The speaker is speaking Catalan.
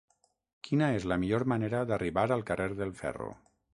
Quina és la millor manera d'arribar al carrer del Ferro?